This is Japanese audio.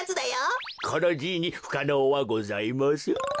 このじいにふかのうはございません。